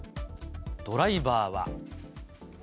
ドライバーは。